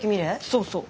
そうそう。